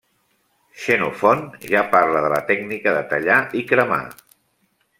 Xenofont ja parla de la tècnica de tallar i cremar.